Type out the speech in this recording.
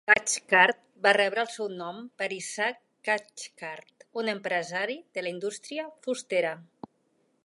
Cathcart va rebre el seu nom per Isaac Cathcart, un empresari de la indústria fustera.